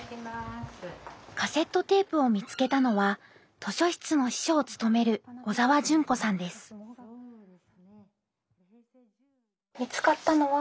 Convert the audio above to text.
カセットテープを見つけたのは図書室の司書を務める見つかったのは。